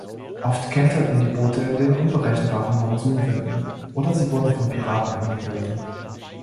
Oft kenterten die Boote in den unberechenbaren Monsun-Winden oder sie wurden von Piraten angegriffen.